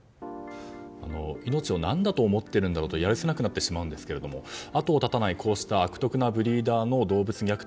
命を何だと思っているんだろうとやるせなくなってしまうんですが後を絶たない悪徳ブリーダーの動物虐待。